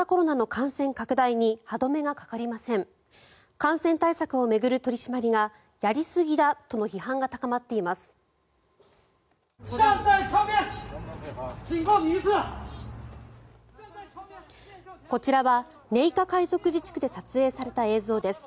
感染対策を巡る取り締まりがやりすぎだとの批判が高まっています。